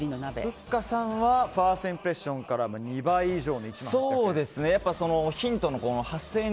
ふっかさんはファーストインプレッションから２倍以上の１万８００円。